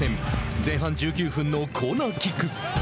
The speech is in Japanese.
前半１９分のコーナーキック。